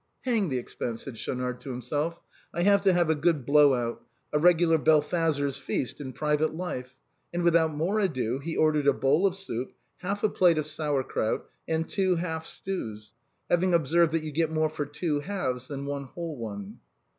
" Hang the expense !" said Schaunard to himself, " I mean to have a good blow out, a regular Belshazzar's feaat in private life :" and without more ado, he ordered a bowl of soup, half a plate of sour crout, and two half stews, hav ing observed that you get more for two halves than one whole one.